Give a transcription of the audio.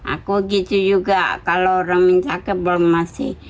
aku gitu juga kalau orang minta ke belum masih